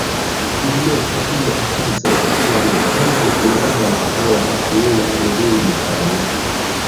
Filmeto: 'Kio okazos kiam grandaj firmaoj kreas nian lingvon?